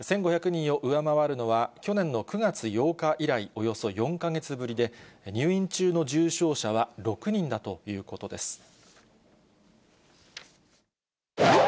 １５００人を上回るのは、去年の９月８日以来、およそ４か月ぶりで、入院中の重症者は６人だということです。